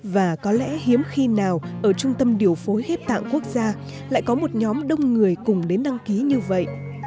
và có lẽ hiếm khi nào ở trung tâm điều phối hiếp tạng quốc gia lại có một nhóm đông người cùng đến đăng ký như vậy